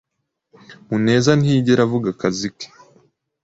Muneza ntiyigera avuga akazi ke.